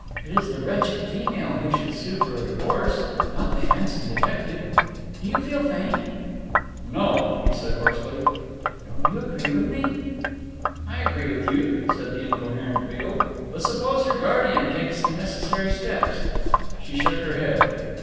It is the wretched female who should sue for a divorce, not the handsome detective do you feel faint?" "No," he said hoarsely. "Don't you agree with me?" "I agree with you," said the incoherent Beale. "But suppose her guardian takes the necessary steps?" She shook her head.